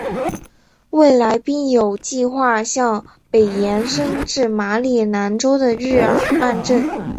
未来并有计画向北延伸至马里兰州的日耳曼镇。